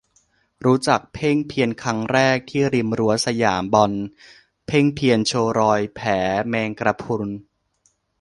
รู้จักเพ่งเพียรครั้งแรกที่ริมรั้วสยามบอล เพ่งเพียรโชว์รอยแผลแมงกระพรุน